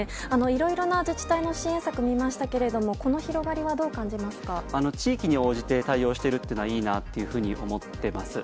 いろいろな自治体の支援策を見ましたけれども地域に応じて対応しているのはいいなと思っています。